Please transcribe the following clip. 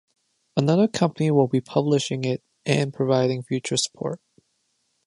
Another company will be publishing it and providing future support.